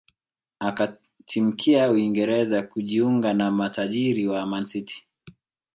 Akatimkia Uingereza kujiunga na matajiri wa Man City